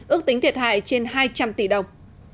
ước tính thiệt hại trên hai trăm linh tỷ đồng